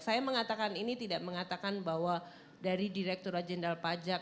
saya mengatakan ini tidak mengatakan bahwa dari direkturat jenderal pajak